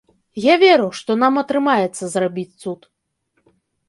Я веру, што нам атрымаецца зрабіць цуд.